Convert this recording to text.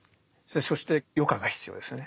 そして余暇が必要ですよね。